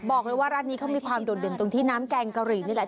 บอกเลยว่าร้านนี้เขามีความโดดเด่นตรงที่น้ำแกงกะหรี่นี่แหละ